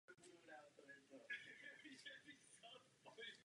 Ve dvou případech byl papež raněn.